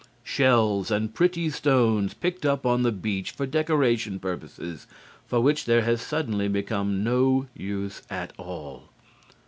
Shells and pretty stones picked up on the beach for decoration purposes, for which there has suddenly become no use at all.